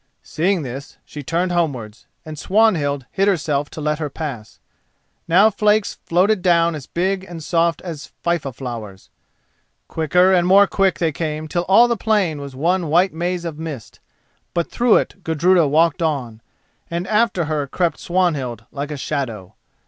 Seeing this she turned homewards, and Swanhild hid herself to let her pass. Now flakes floated down as big and soft as fifa flowers. Quicker and more quick they came till all the plain was one white maze of mist, but through it Gudruda walked on, and after her crept Swanhild, like a shadow.